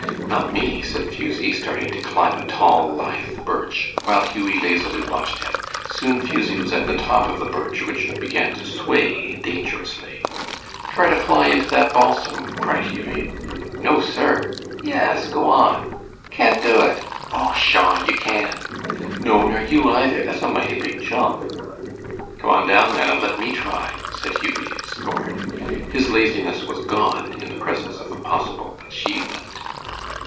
"Not me," said Fusie, starting to climb a tall, lithe birch, while Hughie lazily watched him. Soon Fusie was at the top of the birch, which began to sway dangerously. "Try to fly into that balsam," cried Hughie. "No, sir!" "Yes, go on." "Can't do it." "Oh, pshaw! you can." "No, nor you either. That's a mighty big jump." "Come on down, then, and let me try," said Hughie, in scorn. His laziness was gone in the presence of a possible achievement.